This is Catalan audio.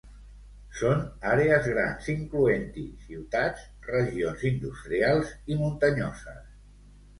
Són àrees grans incloent-hi ciutats, regions industrials i muntanyoses.